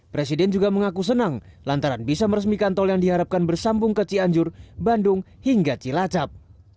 presiden juga mengaku senang lantaran bisa meresmikan tol yang diharapkan bersambung ke cianjur bandung hingga cilacap